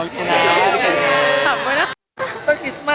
ก็คิดว่าเช้นเบอร์ไม่น่าสุข